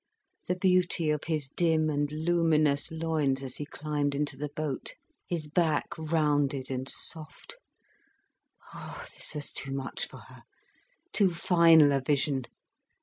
The beauty of his dim and luminous loins as he climbed into the boat, his back rounded and soft—ah, this was too much for her, too final a vision.